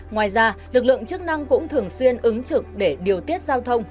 ngoài ra lực lượng chức năng cũng thường xuyên ứng trực để điều tiết giao thông